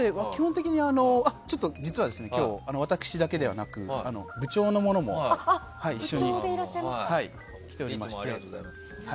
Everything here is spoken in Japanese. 実は今日私だけではなく部長の者も一緒に来ておりまして。